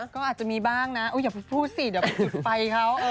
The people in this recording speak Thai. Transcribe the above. ก็อาจจะมีบ้างนะอย่าไปพูดสิเดี๋ยวไปจุดไฟเขา